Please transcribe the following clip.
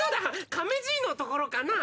カメじいのところかなぁ。